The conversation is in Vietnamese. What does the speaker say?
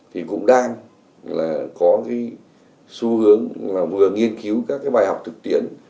thì cũng đang là có cái xu hướng là vừa nghiên cứu các cái bài học thực tiễn